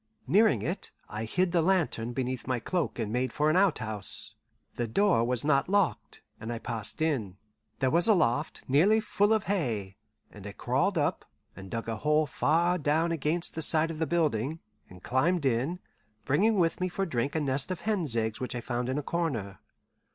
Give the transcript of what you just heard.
Nearing it, I hid the lantern beneath my cloak and made for an outhouse. The door was not locked, and I passed in. There was a loft nearly full of hay, and I crawled up, and dug a hole far down against the side of the building, and climbed in, bringing with me for drink a nest of hen's eggs which I found in a corner.